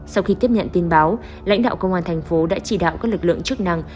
sau khi tiếp nhận tin báo lãnh đạo công an thành phố đã chỉ đạo các lực lượng chức năng